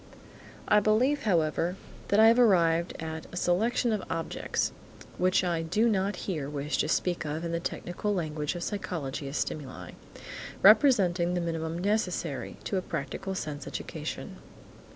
I believe, however, that I have arrived at a selection of objects (which I do not here wish to speak of in the technical language of psychology as stimuli) representing the minimum necessary to a practical sense education.